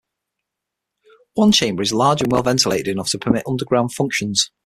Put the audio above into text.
One chamber is large and well-ventilated enough to permit underground functions.